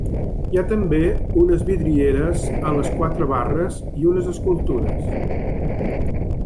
Hi ha també unes vidrieres amb les quatre barres i unes escultures.